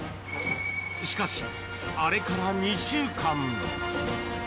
しかし、あれから２週間。